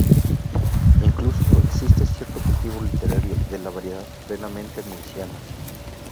Incluso existe cierto cultivo literario, de la variedad plenamente murciana.